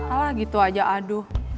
alah gitu aja aduh